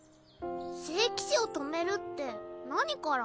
聖騎士を止めるって何から？